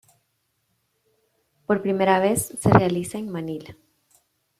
Por primera vez se realiza en Manila.